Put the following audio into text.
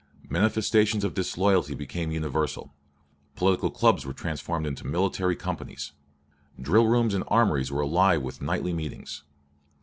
Manifestations of disloyalty became universal. Political clubs were transformed into military companies. Drill rooms and armories were alive with nightly meetings.